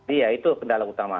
iya itu kendala utama